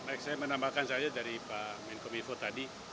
baik saya menambahkan saja dari pak menko mivo tadi